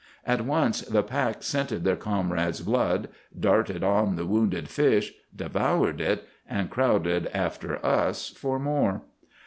At once the pack scented their comrade's blood, darted on the wounded fish, devoured it, and crowded after us for more.